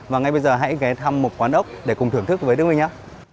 và ngay bây giờ hãy ghé thăm một quán ốc để cùng thưởng thức với đức minh nhé